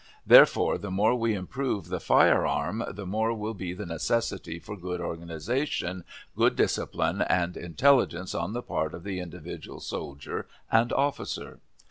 Therefore, the more we improve the fire arm the more will be the necessity for good organization, good discipline and intelligence on the part of the individual soldier and officer.